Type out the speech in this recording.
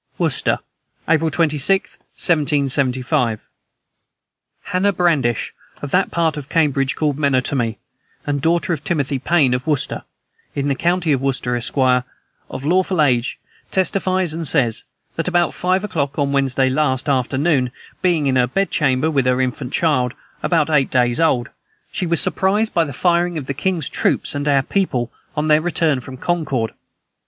"WORCESTER, April 26, 1775. "Hannah Bradish, of that part of Cambridge called Menotomy, and daughter of Timothy Paine, of Worcester, in the county of Worcester, Esq., of lawful age, testifies and says, that, about five o'clock on Wednesday last, afternoon, being in her bedchamber, with her infant child, about eight days old, she was surprised by the firing of the king's troops and our people, on their return from Concord.